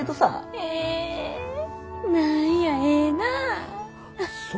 え何やええなぁ。